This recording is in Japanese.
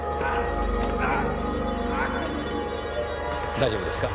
大丈夫ですか？